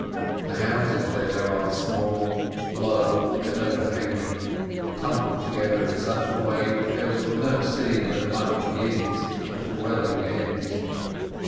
The houses there are small, low, and overhanging, tumbled together in such a way that there is no seeing where the mud begins and the dwelling ends.